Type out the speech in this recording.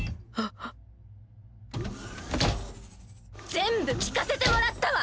全部聞かせてもらったわ。